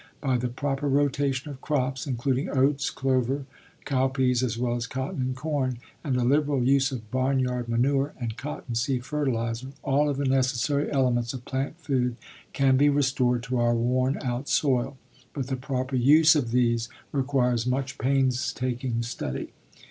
By the proper rotation of crops, including oats, clover, cowpeas, as well as cotton and corn, and a liberal use of barnyard manure and cotton seed fertilizer, all of the necessary elements of plant food can be restored to our worn out soil. But the proper use of these requires much painstaking study.